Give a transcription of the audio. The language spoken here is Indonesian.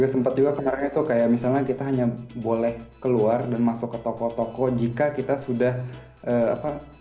sempat juga kemarin itu kayak misalnya kita hanya boleh keluar dan masuk ke toko toko jika kita sudah apa